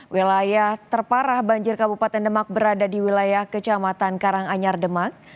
wilayah terparah banjir kabupaten demak berada di wilayah kecamatan karanganyar demak